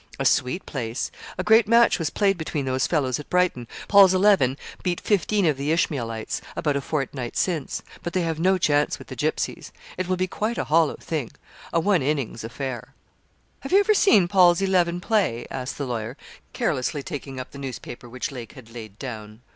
'A sweet place. A great match was played between those fellows at Brighton: Paul's Eleven beat fifteen of the Ishmaelites, about a fortnight since; but they have no chance with the Gipsies. It will be quite a hollow thing a one innings affair.' 'Have you ever seen Paul's Eleven play?' asked the lawyer, carelessly taking up the newspaper which Lake had laid down.